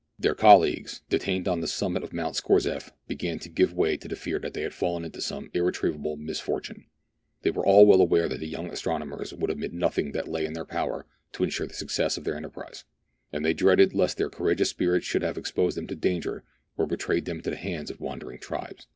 Their colleagues, detained on the summit of Mount Scorzef, began to give way to the fear that they had fallen into some irretrievable misfortune. They were all well aware that the young astronomers would omit nothing that lay in their power to ensure the success of their enterprise, and they dreaded lest their courageous spirit should have exposed them to danger, or betrayed them into the hands of the wandering tribes.